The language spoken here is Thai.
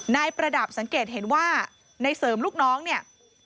ประดับสังเกตเห็นว่าในเสริมลูกน้องเนี่ย